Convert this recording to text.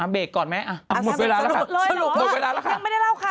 เบกก่อนไหมหมดเวลาแล้วค่ะ